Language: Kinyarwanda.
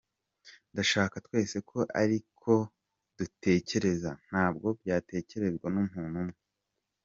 Ndashaka twese ko ariko dutekereza, ntabwo byatekerezwa n’umuntu umwe.